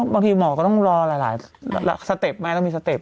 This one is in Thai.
บางทีหมอก็ต้องรอหลายสเต็ปไหมต้องมีสเต็ป